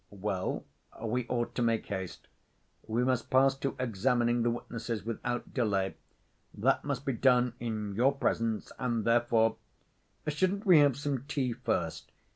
"Well, we ought to make haste. We must pass to examining the witnesses without delay. That must be done in your presence and therefore—" "Shouldn't we have some tea first?"